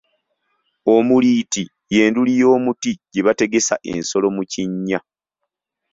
Omuliiti ye nduli y'omuti gye bategesa ensolo mu kinnya